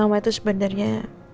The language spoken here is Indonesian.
mama itu sebenarnya